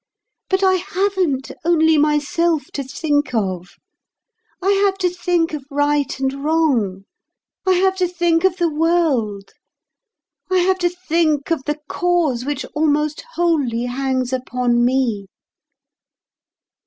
But I haven't only myself to think of. I have to think of right and wrong; I have to think of the world; I have to think of the cause which almost wholly hangs upon me.